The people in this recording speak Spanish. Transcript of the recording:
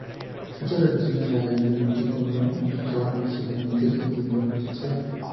Estas relaciones variaban en tipo y no implicaban necesariamente intimidad sexual.